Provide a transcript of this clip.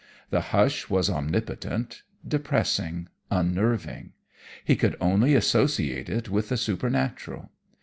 The hush was omnipotent, depressing, unnerving; he could only associate it with the supernatural.